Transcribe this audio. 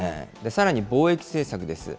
さらに、貿易政策です。